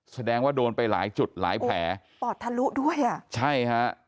แสดงว่าโดนไปหลายจุดหลายแผลปอดทะลุด้วยอ่ะใช่ฮะ